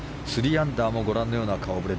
３アンダーもご覧のような顔ぶれ。